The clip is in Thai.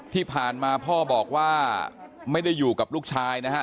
ที่ผ่านมาพ่อบอกว่าไม่ได้อยู่กับลูกชายนะฮะ